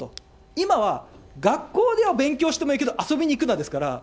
今は、学校では勉強してもいいけど、遊びに行くなですから。